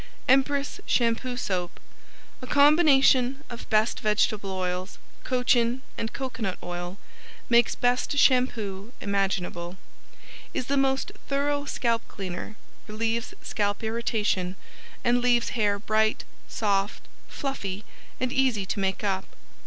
Empress Shampoo Soap A combination of best vegetable oils, cochin and coconut oil, makes best shampoo imaginable. Is the most thorough scalp cleaner, relieves scalp irritation and leaves hair bright, soft, fluffy and easy to make up.